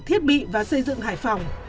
thiết bị và xây dựng hải phòng